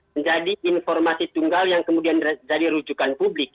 menjadi informasi tunggal yang kemudian jadi rujukan publik